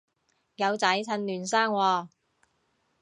有仔趁嫩生喎